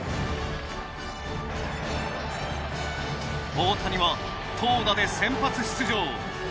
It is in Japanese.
大谷は投打で先発出場。